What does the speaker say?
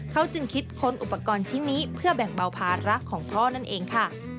เขาจึงคิดค้นอุปกรณ์ชิ้นนี้เพื่อแบ่งเบาภาระของพ่อนั่นเองค่ะ